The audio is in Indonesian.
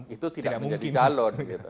itu tidak menjadi calon